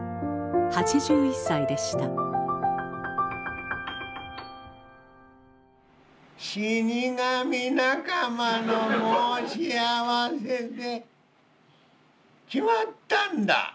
８１歳でした死に神仲間の申し合わせで決まったんだ。